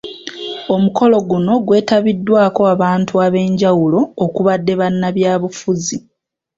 Omukolo guno gwetabiddwako abantu abenjawulo okubadde bannabyabufuzi.